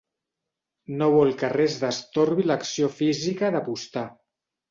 No vol que res destorbi l'acció física d'apostar.